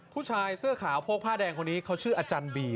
ผู้ชายเสื้อขาวโพกผ้าแดงคนนี้เขาชื่ออาจารย์บี